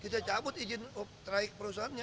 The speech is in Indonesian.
kita cabut izin up raik perusahaannya